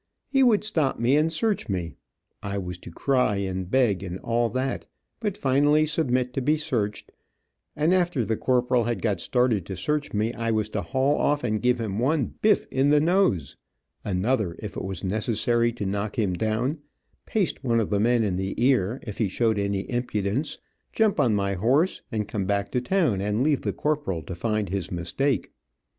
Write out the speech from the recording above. He would stop me, and search me, I was to cry, and beg, and all that, but finally submit to be searched, and after the corporal had got started to search me, I was to haul off and give him one "biff" in the nose, another if it was necessary to knock him down, paste one of the men in the ear, if he showed any impudence, jump on my horse and come back to town, and leave the corporal to find his mistake.